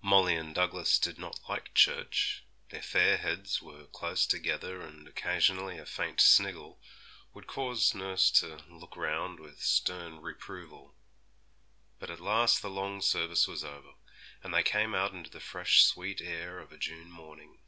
Molly and Douglas did not like church; their fair heads were close together, and occasionally a faint sniggle would cause nurse to look round with stern reproval. But at last the long service was over, and they came out into the fresh, sweet air of a June morning.